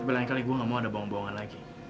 tapi lain kali gue gak mau ada bohong bohongan lagi